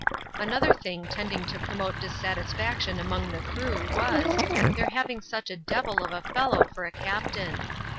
Another thing tending to promote dissatisfaction among the crew was, their having such a devil of a fellow for a captain.